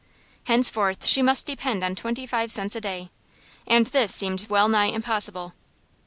Henceforth, she must depend on twenty five cents a day, and this seemed well nigh impossible.